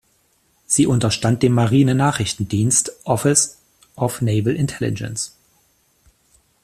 Sie unterstand dem Marine-Nachrichtendienst Office of Naval Intelligence.